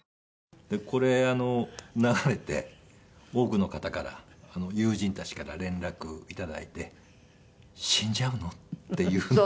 これ流れて多くの方から友人たちから連絡頂いて「死んじゃうの？」っていうふうな。